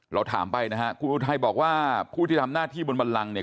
เราถามไปนะฮะคุณอุทัยบอกว่าผู้ที่ทำหน้าที่บนบันลังเนี่ย